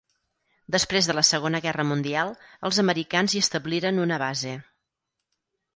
Després de la Segona Guerra Mundial els americans hi establiren una base.